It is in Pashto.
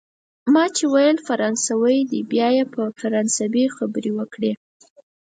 ما چي ویل فرانسوی دی، بیا یې په فرانسوي خبرې وکړې.